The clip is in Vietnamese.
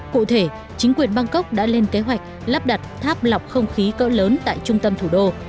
cụ thể chính quyền bangkok đã lên kế hoạch lắp đặt tháp lọc không khí cỡ lớn tại trung tâm thủ đô